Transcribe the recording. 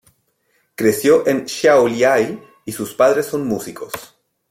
Creció en Šiauliai y sus padres son músicos.